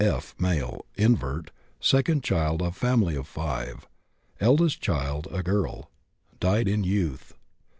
F., male, invert, second child of family of 5. Eldest child a girl, died in youth.